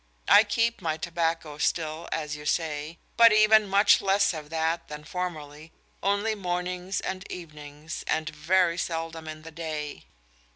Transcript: I keep to my tobacco still, as you say; but even much less of that than formerly, only mornings and evenings, and very seldom in the day."